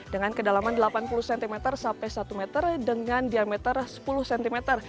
dengan kedalaman delapan puluh cm sampai satu meter dengan diameter sepuluh cm